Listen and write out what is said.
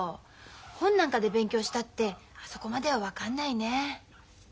本なんかで勉強したってあそこまでは分かんないね。